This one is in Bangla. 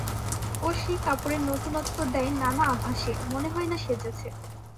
ও সেই কাপড়ে নূতনত্ব দেয় নানা আভাসে, মনে হয় না সেজেছে।